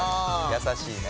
優しいね。